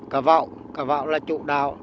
cá vậu cá vậu là trụ đào